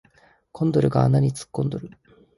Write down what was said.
コンドルが穴に突っ込んどる